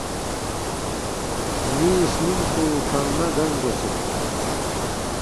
نی سنینگپو فنگمہ گنگ گو چوک